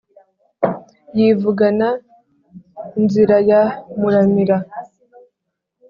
yivugana nzira ya muramira